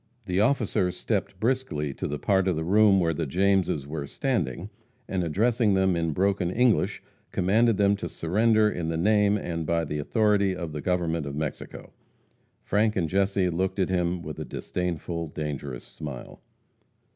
The officer stepped briskly to the part of the room where the Jameses were standing, and addressing them in broken English, commanded them to surrender in the name and by the authority of the government of Mexico. Frank and Jesse looked at him with a disdainful, dangerous smile.